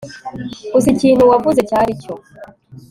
gusa ikintu wavuze cyari cyo